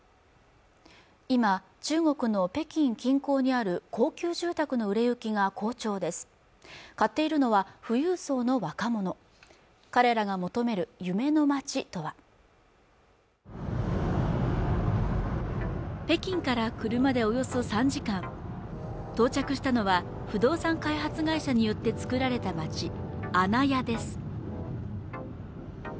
今中国の北京近郊にある高級住宅の売れ行きが好調です買っているのは富裕層の若者彼らが求める夢の街とは北京から車でおよそ３時間到着したのは不動産開発会社によって作られた街・阿那亜です